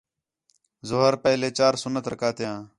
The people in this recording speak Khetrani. ظہر پہلے چار سُنت رکعتیان